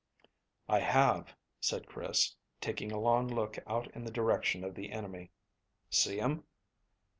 "I have," said Chris, taking a long look out in the direction of the enemy. "See 'em?"